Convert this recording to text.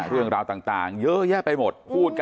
เรื่องราวต่างเยอะแยะไปหมด